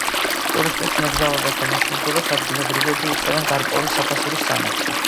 ტურისტებს მეგზურობას და მასპინძლობას ადგილობრივები უწევენ გარკვეული საფასურის სანაცვლოდ.